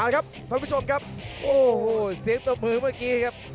ครับท่านผู้ชมครับโอ้โหเสียงตะพือเมื่อกี้ครับ